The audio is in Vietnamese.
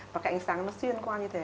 và cái ánh sáng nó xuyên qua như thế